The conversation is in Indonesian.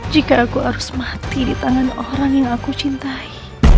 jika aku harus mati di tangan orang yang aku cintai